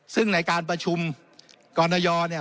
ซึ่งในการประชุมกรณยเนี่ย